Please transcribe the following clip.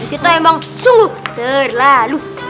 kita emang sungguh terlalu